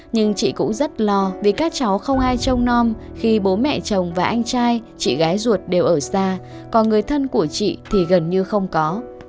nhưng chị cũng rất lo vì các cháu không ai trông non khi bố mẹ chồng và anh trai chị gái ruột đều ở xa còn người thân của chị thì gần như không có